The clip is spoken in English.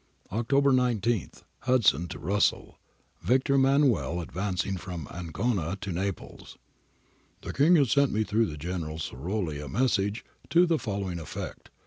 October 19. Hudson to Russell. [Victor Emmanuel ad vancing from Ancona to Naples.] ' The King has sent me through General SolaroH a message to the following effect.